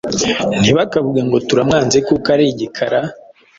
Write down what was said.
ntibakavuge ngo turamwanze kubera ari igikara,